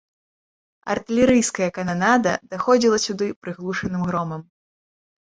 Артылерыйская кананада даходзіла сюды прыглушаным громам.